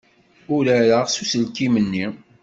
Urareɣ s uselkim-nni.